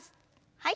はい。